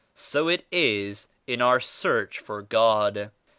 So it is in our search for God.